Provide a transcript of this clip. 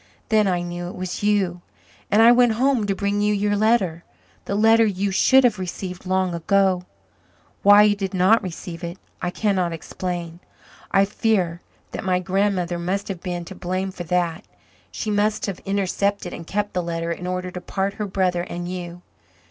Then I knew it was you and I went home to bring you your letter the letter you should have received long ago. Why you did not receive it I cannot explain. I fear that my grandmother must have been to blame for that she must have intercepted and kept the letter in order to part her brother and you.